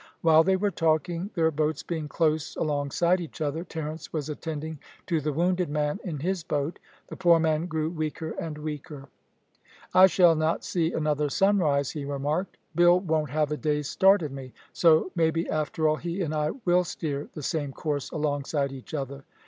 While they were talking, their boats being close alongside each other, Terence was attending to the wounded man in his boat. The poor man grew weaker and weaker. "I shall not see another sunrise," he remarked. "Bill won't have a day's start of me; so, maybe, after all, he and I will steer the same course alongside each other."